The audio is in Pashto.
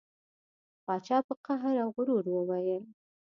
پاچا په قهر او غرور وویل.